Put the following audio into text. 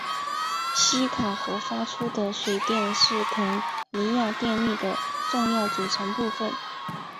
锡卡河发出的水电是肯尼亚电力的重要组成部分。